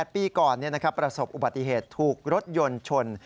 ปีก่อนประสบอุบัติเหตุถูกรถยนต์ชน